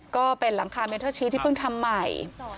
ก็เป็นหลังคาเมเทอร์ชีสที่เพิ่งทำใหม่